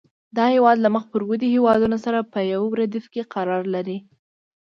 دا هېواد له مخ پر ودې هېوادونو سره په یو ردیف کې قرار لري.